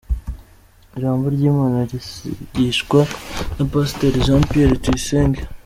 Ijambo ry’Imana rizigishwa na Pasiteri Jean Pierre Tuyisenge.